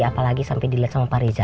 apalagi sampai dilihat sama pak reza